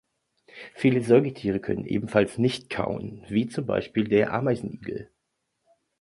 Viele Säugetiere können ebenfalls nicht kauen, wie zum Beispiel der Ameisenigel.